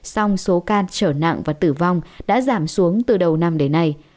song số can trở nặng và tử vong đã giảm xuống từ đầu năm đến nay